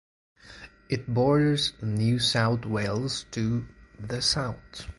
It borders New South Wales to the south.